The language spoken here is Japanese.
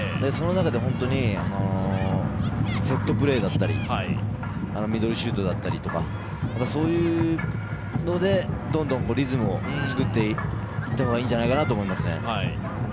その中でセットプレーだったりミドルシュートだったりとかそういうのでどんどんリズムを作っていったらいいんじゃないかなと思います。